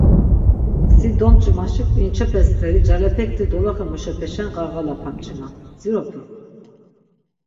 Si domç̆imaşi k̆vinçepe steri calepekti doloxe muşepeşen ğarğalapan mç̆ima, dziropi?